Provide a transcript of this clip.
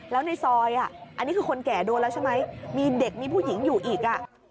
แล้วในซอยอันนี้คือคนแก่โดนแล้วใช่ไหมมีเด็กมีผู้หญิงอยู่อีก